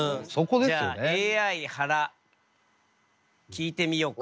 じゃあＡＩはら聞いてみようか。